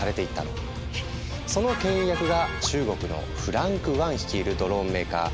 その牽引役が中国のフランク・ワン率いるドローンメーカー。